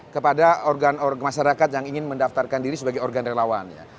kepada organ organ masyarakat yang ingin mendaftarkan diri sebagai organ relawan